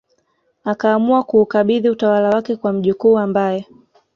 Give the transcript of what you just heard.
akaamua kuukabidhi utawala wake kwa mjukuu ambaye